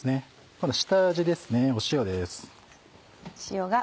今度下味ですね塩です。